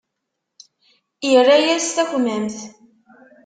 Irra-yas takmamt.